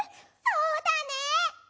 そうだね！